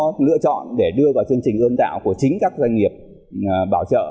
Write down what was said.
chúng tôi lựa chọn để đưa vào chương trình ươm tạo của chính các doanh nghiệp bảo trợ